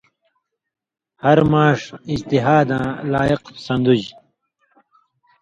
ہر ماݜ اجتہاداں لائق سَن٘دُژ۔